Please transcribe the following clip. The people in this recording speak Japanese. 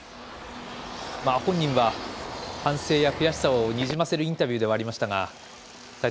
本人は反省や悔しさをにじませるインタビューではありましたが。